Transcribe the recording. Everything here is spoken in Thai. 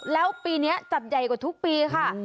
แล้วปีนี้จัดใหญ่กว่าทุกปีค่ะ